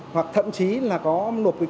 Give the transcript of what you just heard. hoặc thậm chí là có nộp